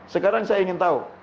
sekarang saya ingin tahu